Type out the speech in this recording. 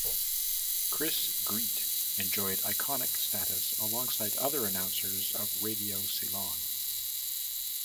Chris Greet enjoyed iconic status alongside other announcers of Radio Ceylon.